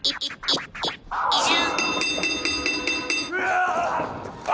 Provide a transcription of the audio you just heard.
うわ！